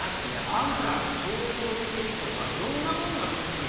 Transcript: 何か商業施設とかいろんなもんが建ってね。